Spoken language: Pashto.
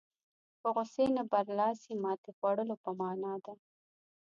په غوسې نه برلاسي ماتې خوړلو په معنا ده.